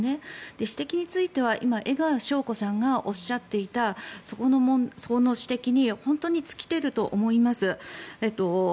指摘については今、江川紹子さんがおっしゃっていたその指摘に本当に尽きると思います。